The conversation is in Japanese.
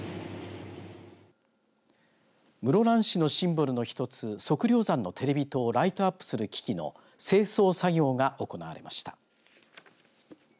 室蘭市のシンボルの１つ測量山のテレビ塔をライトアップする機器の清掃作業が行われました。